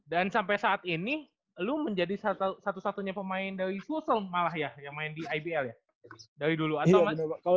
dan sampai saat ini lu menjadi satu satunya pemain dari sulsel malah ya yang main di ibl ya dari dulu atau